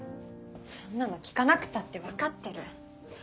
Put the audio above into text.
そんなの聞かなくたって分かってる。